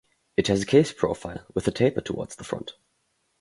It has a case profile with a taper towards the front.